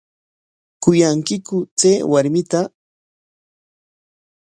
¿Kuyankiku chay warmita?